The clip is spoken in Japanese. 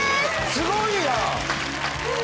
すごいやん！